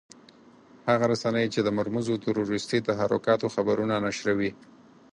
هغه رسنۍ چې د مرموزو تروريستي تحرکاتو خبرونه نشروي.